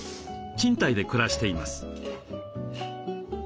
賃貸で暮らしています。